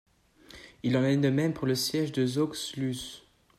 Il en est de même pour le siège de Soxhluse.